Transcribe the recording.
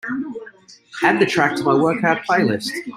Add the track to my workout playlist.